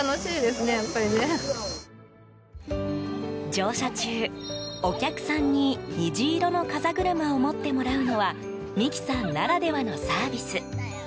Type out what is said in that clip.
乗車中、お客さんに虹色の風車を持ってもらうのは美希さんならではのサービス。